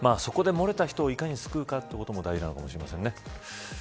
そこでもれた人をいかに救うかというのも大事なのかもしれません。